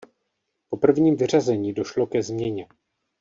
Po prvním vyřazení došlo ke změně.